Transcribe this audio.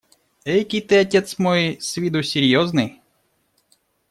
Экий ты, отец мой, с виду серьезный!